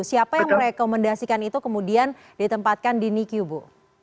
siapa yang merekomendasikan itu kemudian ditempatkan di niki bu